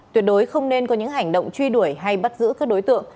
tuyệt đối không nên có những hành động truy đuổi hay bắt giữ các đối tượng